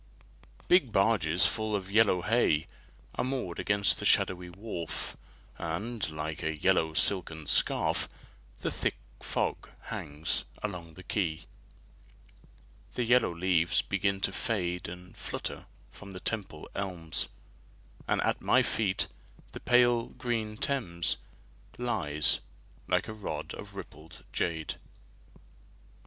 Big barges full of yellow hay Are moored against the shadowy wharf, And, like a yellow silken scarf, The thick fog hangs along the quay. The yellow leaves begin to fade And flutter from the Temple elms, And at my feet the pale green Thames Lies like a rod of rippled jade.